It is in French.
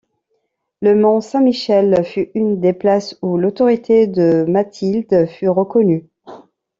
Le Mont Saint-Michel fut une des places où l’autorité de Mathilde fut reconnue.